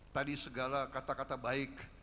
tadi segala kata kata baik